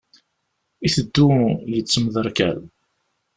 Iteddu yettemderkal.